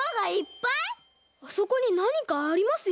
あそこになにかありますよ。